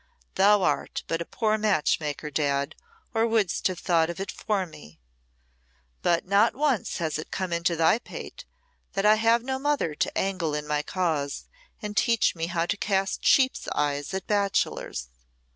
"Thou art but a poor match maker, Dad, or wouldst have thought of it for me. But not once has it come into thy pate that I have no mother to angle in my cause and teach me how to cast sheep's eyes at bachelors.